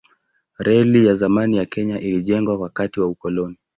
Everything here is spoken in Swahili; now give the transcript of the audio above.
Reli ya zamani ya Kenya ilijengwa wakati wa ukoloni.